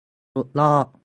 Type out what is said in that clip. สุดยอด !